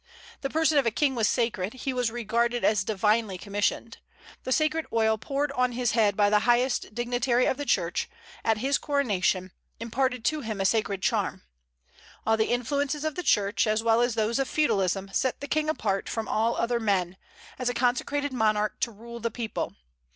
The person of a king was sacred; he was regarded as divinely commissioned. The sacred oil poured on his head by the highest dignitary of the Church, at his coronation, imparted to him a sacred charm. All the influences of the Church, as well as those of Feudalism, set the king apart from all other men, as a consecrated monarch to rule the people.